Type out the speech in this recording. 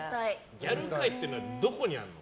ギャル界ってのはどこにあるの？